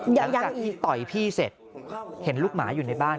หลังจากที่ต่อยพี่เสร็จเห็นลูกหมาอยู่ในบ้าน